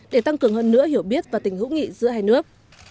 để tăng cường hơn nữa hiểu biết và tình hữu nghị giữa hai nước